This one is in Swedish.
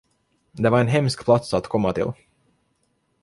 Det var en hemsk plats att komma till.